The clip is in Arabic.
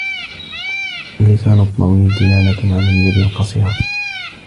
اللسان الطويل.. دلالة على اليد القصيرة.